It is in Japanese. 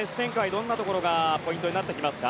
どんなところがポイントになってきますか。